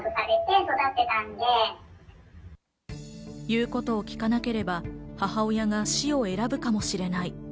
言うことを聞かなければ、母親が死を選ぶかもしれない。